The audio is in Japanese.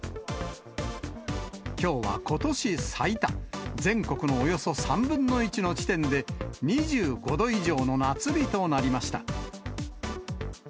きょうはことし最多、全国のおよそ３分の１の地点で、２５度以上の夏日となりました。